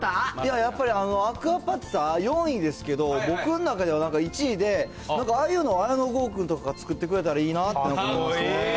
やっぱり、アクアパッツァ、４位ですけど、僕の中では、なんか１位で、なんかああいうの綾野剛君とかが作ってくれたらいいなって思いますね。